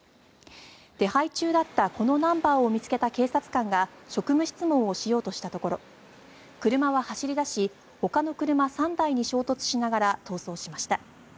手配中だったこのナンバーを見つけた警察官が職務質問をしようとしたところ車は走り出しほかの車３台に衝突しながら逃走しました。